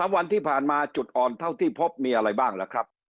วันที่ผ่านมาจุดอ่อนเท่าที่พบมีอะไรบ้างล่ะครับ